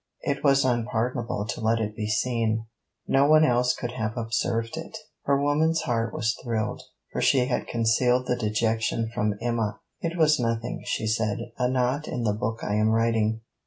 'It was unpardonable to let it be seen.' 'No one else could have observed it.' Her woman's heart was thrilled; for she had concealed the dejection from Emma. 'It was nothing,' she said; 'a knot in the book I am writing.